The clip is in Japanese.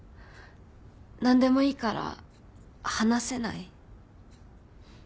何でもいいから話せない？